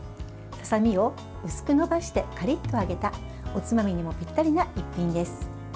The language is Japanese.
ささ身を薄くのばしてカリッと揚げたおつまみにもぴったりな一品です。